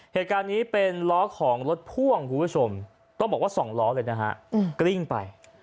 เหตุการณ์นี้เป็นล้อของรถพ่วงคุณผู้ชมต้องบอกว่า๒ล้อเลยนะฮะกลิ้งไป